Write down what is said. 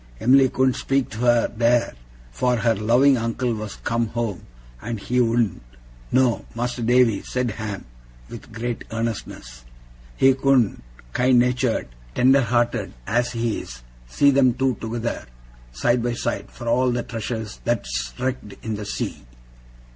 Em'ly couldn't speak to her theer, for her loving uncle was come home, and he wouldn't no, Mas'r Davy,' said Ham, with great earnestness, 'he couldn't, kind natur'd, tender hearted as he is, see them two together, side by side, for all the treasures that's wrecked in the sea.